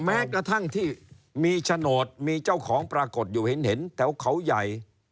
แม้กระทั่งที่มีโฉนดมีเจ้าของปรากฏอยู่เห็นแถวเขาใหญ่